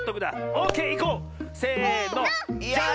オーケーいこう！せの。